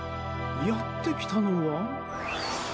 やってきたのは。